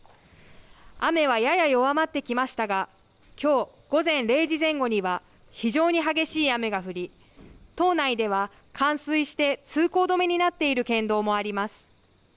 雨はやや弱まってきましたがきょう午前０時前後には非常に激しい雨が降り島内では冠水して通行止めになっている県道もあります。